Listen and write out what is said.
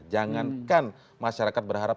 jangankan masyarakat berharap